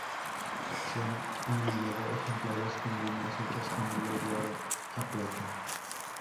Se han hallado ejemplares con líneas hechas con hilos de oro o plata.